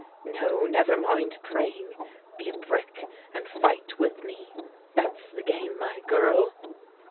No, never mind praying ; be a brick and fight with me : that's the game, my girl."